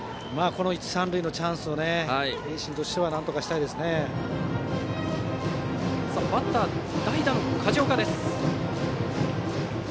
この一、三塁のチャンスを盈進としてはバッターは代打の梶岡。